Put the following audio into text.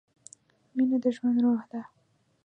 مینه د ژوند روح ده.